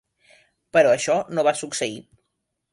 Però això no va succeir.